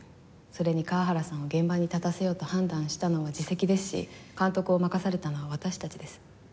それに河原さんを現場に立たせようと判断したのは次席ですし監督を任されたのは私たちです。